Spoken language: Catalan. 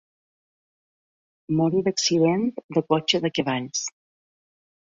Morí d'accident de cotxe de cavalls.